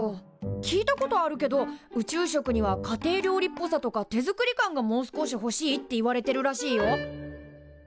聞いたことあるけど宇宙食には家庭料理っぽさとか手作り感がもう少しほしいっていわれてるらしいよ。